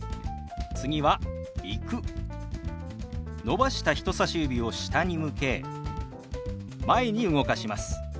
伸ばした人さし指を下に向け前に動かします。